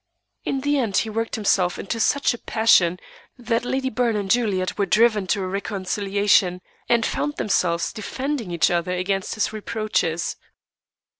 In the end, he worked himself into such a passion that Lady Byrne and Juliet were driven to a reconciliation, and found themselves defending each other against his reproaches.